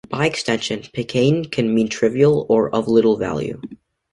By extension, picayune can mean "trivial" or "of little value".